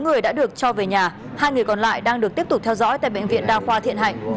sáu người đã được cho về nhà hai người còn lại đang được tiếp tục theo dõi tại bệnh viện đa khoa thiện hạnh